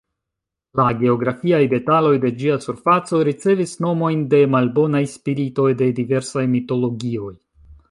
La "geografiaj" detaloj de ĝia surfaco ricevis nomojn de malbonaj spiritoj de diversaj mitologioj.